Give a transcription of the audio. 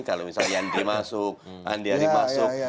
kalau misalnya andi masuk andi andi masuk